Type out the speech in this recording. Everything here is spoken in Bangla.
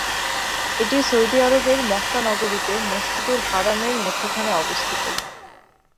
এটি সৌদি আরবের মক্কা নগরীতে মসজিদুল হারামের মধ্যখানে অবস্থিত।